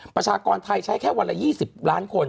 ประชากรไทยใช้แค่วันละ๒๐ล้านคน